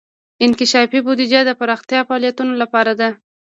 انکشافي بودیجه د پراختیايي فعالیتونو لپاره ده.